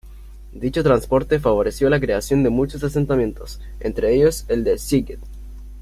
Dicho transporte favoreció la creación de muchos asentamientos, entre ellos el de Szeged.